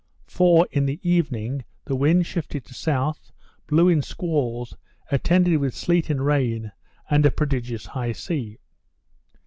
For, in the evening, the wind shifted to south, blew in squalls, attended with sleet and rain, and a prodigious high sea.